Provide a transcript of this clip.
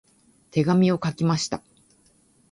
手紙を書きました。